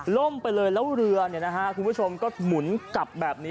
ล่มไปเลยแล้วเรือคุณผู้ชมก็หมุนกลับแบบนี้